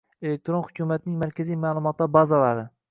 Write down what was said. Elektron hukumatning markaziy ma’lumotlar bazalari